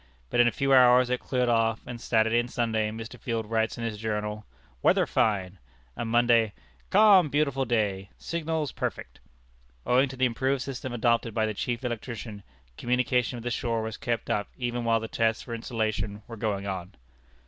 But in a few hours it cleared off, and Saturday and Sunday, Mr. Field writes in his journal, "Weather fine;" and Monday, "Calm, beautiful day. Signals perfect." Owing to the improved system adopted by the chief electrician, communication with the shore was kept up even while the tests for insulation were going on.